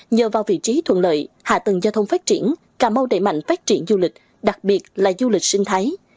nhờ vào vị trí thuận lợi hạ tầng giao thông phát triển cà mau đẩy mạnh phát triển du lịch đặc biệt là du lịch sinh thái